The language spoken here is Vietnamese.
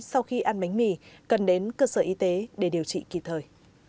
sau khi ăn bánh mì cần đến cơ sở y tế để điều trị kỳ thời